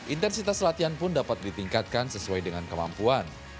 intensitas latihan pun dapat ditingkatkan sesuai dengan kemampuan